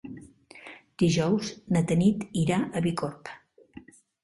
Dijous na Tanit irà a Bicorb.